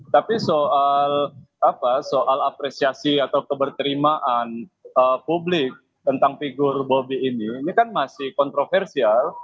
tapi soal apresiasi atau keberterimaan publik tentang figur bobi ini ini kan masih kontroversial